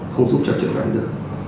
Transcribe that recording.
không giúp cho chẩn đoán được